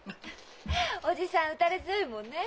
おじさん打たれ強いもんね。